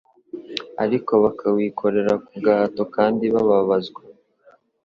ariko bakawikorera ku gahato kandi bababazwa.